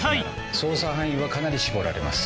捜査範囲はかなり絞られます。